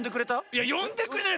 いや「よんでくれた？」